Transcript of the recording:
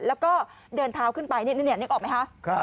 แล้วก็เดินเท้าขึ้นไปนี่นึกออกไหมคะ